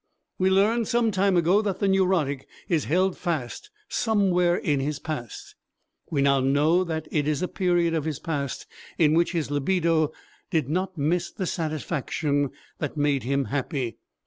We learned some time ago that the neurotic is held fast somewhere in his past; we now know that it is a period of his past in which his libido did not miss the satisfaction which made him happy.